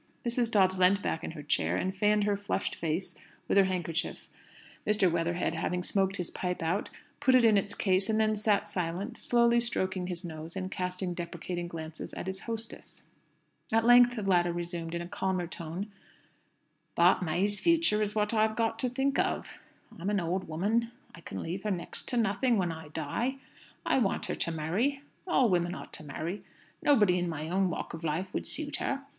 Mrs. Dobbs leant back in her chair, and fanned her flushed face with her handkerchief. Mr. Weatherhead, having smoked his pipe out, put it in its case, and then sat silent, slowly stroking his nose, and casting deprecating glances at his hostess. At length the latter resumed, in a calmer tone, "But May's future is what I've got to think of. I'm an old woman. I can leave her next to nothing when I die. I want her to marry. All women ought to marry. Nobody in my own walk of life would suit her.